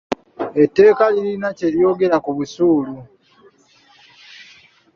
Etteeka lirina kye lyogera ku busuulu.